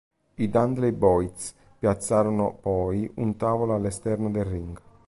I Dudley Boyz piazzarono, poi, un tavolo all'esterno del ring.